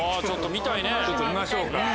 ちょっと見ましょうか。